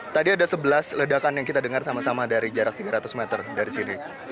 tadi ada sebelas ledakan yang kita dengar sama sama dari jarak tiga ratus meter dari sini